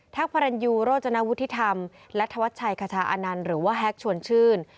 ทักพรรณยูโรจนวุฒิธรรมและธวัชชัยขชานรหรือว่าแฮกชวนชื่น